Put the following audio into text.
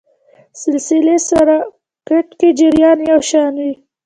سلسلې سرکټ کې جریان یو شان وي.